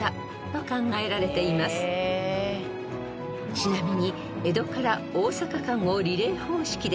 ［ちなみに］